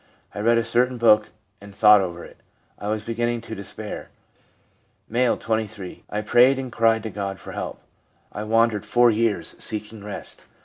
I read a certain book and thought over it. I was beginning to despair.' M., 23. ' I prayed and cried to God for help. I wandered four years, seeking rest.